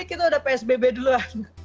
kita udah psbb duluan